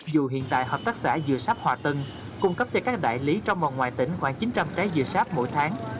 dù hiện tại hợp tác xã dừa sáp hòa tân cung cấp cho các đại lý trong và ngoài tỉnh khoảng chín trăm linh cái dừa sáp mỗi tháng